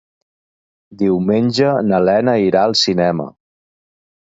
Diumenge na Lena irà al cinema.